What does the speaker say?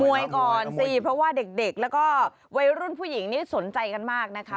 มวยก่อนสิเพราะว่าเด็กแล้วก็ไว้รุ่นผู้หญิงสนใจมากนะคะ